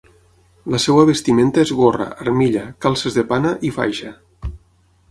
La seva vestimenta és gorra, armilla, calces de pana i faixa.